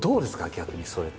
逆にそれって。